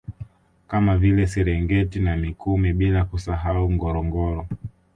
Kama vile Serengeti na Mikumi bila kusahau Ngorongoro